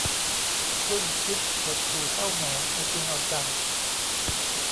ครุ่นคิด หดหู่เศร้าหมอง เอาจริงเอาจัง